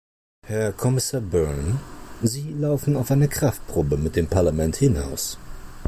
Herr Kommissar Byrne, Sie laufen auf eine Kraftprobe mit dem Parlament hinaus.